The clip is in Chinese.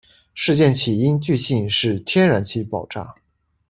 事件起因据信是天然气爆炸。